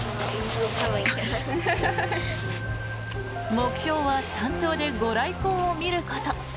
目標は山頂でご来光を見ること。